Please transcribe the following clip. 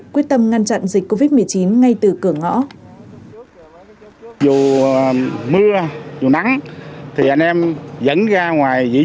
quyết tâm ngăn chặn dịch covid một mươi chín ngay từ cửa ngõ